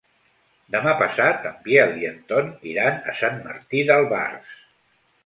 Demà passat en Biel i en Ton iran a Sant Martí d'Albars.